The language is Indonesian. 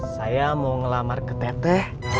saya mau ngelamar ke teteh